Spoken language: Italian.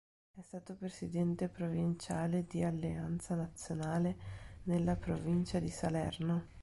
È stato Presidente Provinciale di Alleanza Nazionale nella provincia di Salerno.